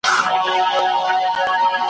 یا يې د لوستلو توان نه لرم